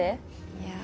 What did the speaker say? いや。